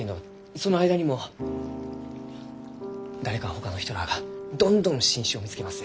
その間にも誰かほかの人らあがどんどん新種を見つけます。